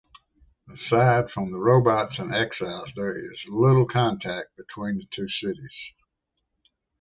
Aside from the robots and exiles, there is little contact between the two cities.